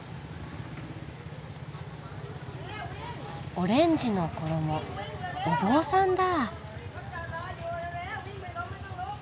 オレンジの衣お坊さんだ。